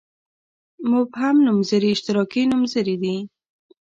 مبهم نومځري اشتراکي نومځري دي.